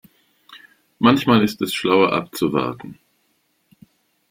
Manchmal ist es schlauer abzuwarten.